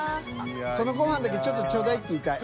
そのご飯だけちょっとちょうだい」って言いたい。